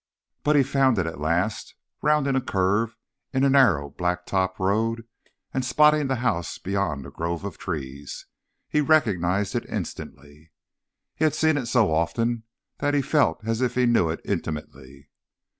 But he found it at last, rounding a curve in a narrow black top road and spotting the house beyond a grove of trees. He recognized it instantly. He had seen it so often that he felt as if he knew it intimately.